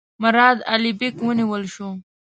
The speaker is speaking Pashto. مراد علي بیګ ونیول شو.